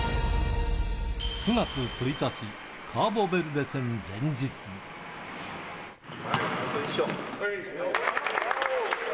９月１日、あと１勝。